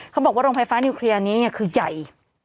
บอกว่าโรงไฟฟ้านิวเคลียร์นี้คือใหญ่